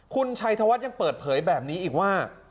คุณชัยธวัฒน์ยังเปิดเผยแบบนี้อีกว่า